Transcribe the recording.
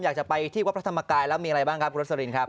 อยากจะไปที่วัดพระธรรมกายแล้วมีอะไรบ้างครับคุณรสลินครับ